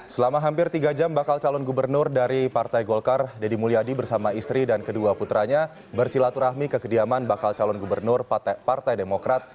selama hampir tiga jam bakal calon gubernur dari partai golkar deddy mulyadi bersama istri dan kedua putranya bersilaturahmi ke kediaman bakal calon gubernur partai demokrat